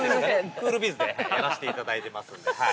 クールビズで、はい、やらしていただいてますんではい。